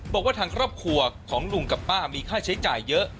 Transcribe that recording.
บอกว่าทางครอบครัวของลุงกับป้ามีค่าใช้จ่ายเยอะ